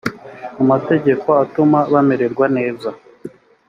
amategeko atuma bamererwa neza